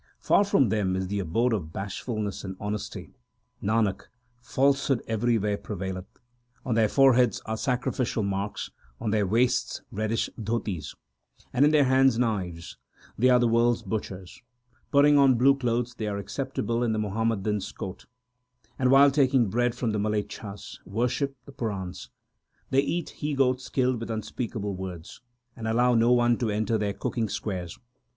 Far from them is the abode of bashfulness and honesty : Nanak, falsehood everywhere prevaileth. On their foreheads are sacrificial marks ; on their waists reddish 4 dhotis ; And in their hands knives ; they are the world s butchers. Putting on blue clothes, they are acceptable in the Muhammadans court, And, while taking bread from the malechhas, worship the Purans. They eat he goats killed with unspeakable words, 5 And allow no one to enter their cooking squares.